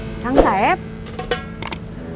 nanti diangkut kita duduk bersebelahan